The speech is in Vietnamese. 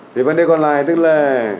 để xác định giá